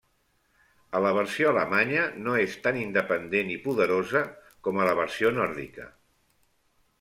A la versió alemanya no és tan independent i poderosa com a la versió nòrdica.